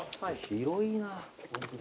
広いな。